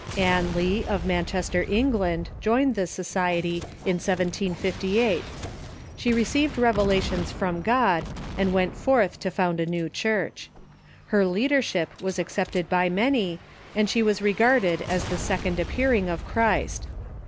Ann Lee, of Manchester, England, joined this society in 1758. She received revelations from God, and went forth to found a new Church. Iler lead ership was accepted by man}', and she was regarded as the second appearing of Christ.